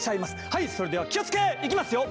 はいそれではきをつけ！いきますよ。